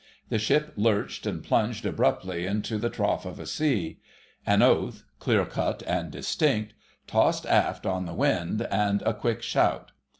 The ship lurched and plunged abruptly into the trough of a sea. An oath, clear cut and distinct, tossed aft on the wind, and a quick shout.